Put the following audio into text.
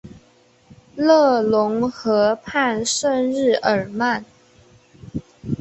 勒农河畔圣日耳曼。